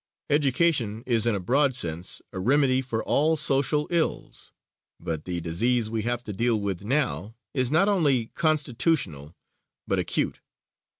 Education is in a broad sense a remedy for all social ills; but the disease we have to deal with now is not only constitutional but acute.